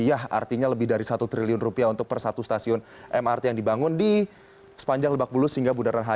artinya lebih dari satu triliun rupiah untuk per satu stasiun mrt yang dibangun di sepanjang lebak bulus hingga bundaran hi